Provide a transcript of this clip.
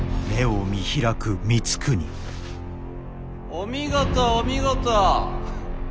お見事お見事。